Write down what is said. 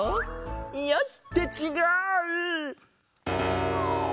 よし！ってちがう！